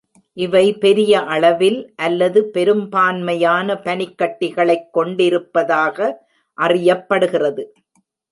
இவை பெரிய அளவில் அல்லது பெரும்பான்மையான பனிக்கட்டிகளைக் கொண்டிருப்பதாக அறியப்படுகிறது.